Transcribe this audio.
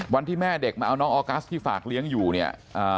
วันที่แม่เด็กมาเอาน้องออกัสที่ฝากเลี้ยงอยู่เนี่ยอ่า